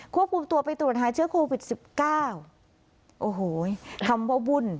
ควบคุมตัวไปตรวจหาเชื้อโควิด๑๙โอ้โหคำว่าบุญ